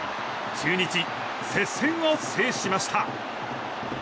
中日、接戦を制しました。